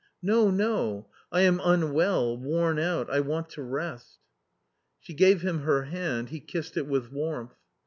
" No, no ! I am unwell, worn out I want to rest." She gave him her hand, he kissed it with warmth.